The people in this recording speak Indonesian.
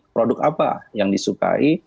produk apa yang disukai